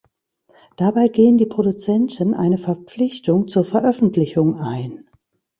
Dabei gehen die Produzenten eine Verpflichtung zur Veröffentlichung ein.